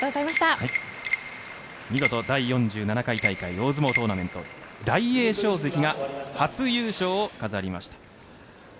見事、第４７回大会大相撲トーナメント大栄翔関が初優勝を飾りました。